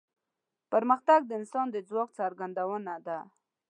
پرمختګ د انسان د ځواک څرګندونه ده.